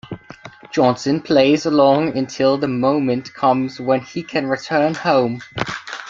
Johnston plays along until the moment comes when he can return home.